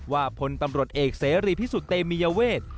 พลตำรวจเอกเสรีพิสุทธิเตมียเวท